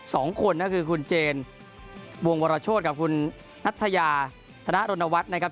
สองคนก็คือคุณเจนวงวรโชธกับคุณนัทยาธนรณวัฒน์นะครับ